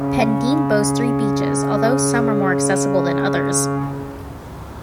Pendeen boasts three beaches although some are more accessible than others.